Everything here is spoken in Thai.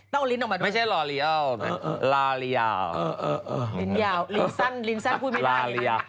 ต้องลิ้นออกมาดูเออเออเออเออลิ้นยาวลิ้นสั้นลิ้นสั้นพูดไม่ได้